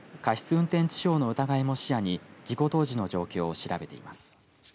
運転致傷の疑いも視野に事故当時の状況を調べています。